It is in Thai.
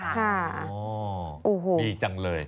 โอ้โหดีจังเลย